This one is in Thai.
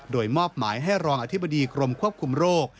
โดยมอบหมายให้รองอธิบดีกรมควบคุมโรค